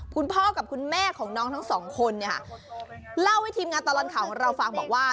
คุณพ่อกับคุณแม่ของน้องทั้งสองคนเนี่ยค่ะเล่าให้ทีมงานตลอดข่าวของเราฟังบอกว่า